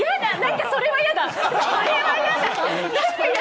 それはやだ！